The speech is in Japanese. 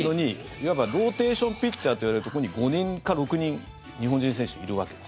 いわばローテーションピッチャーといわれるところに５人か６人日本人選手、いるわけです。